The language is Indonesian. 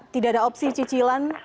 tidak ada opsi cicilan